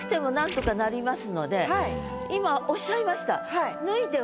ここは今おっしゃいました。